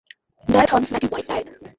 Deighton's native wife died.